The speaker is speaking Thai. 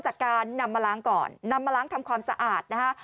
จากการนำมาล้างก่อนนำมาล้างทำความสะอาดนะฮะ